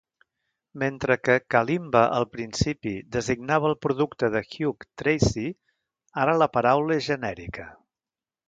Mentre que kalimba al principi designava el producte de Hugh Tracey, ara la paraula és genèrica.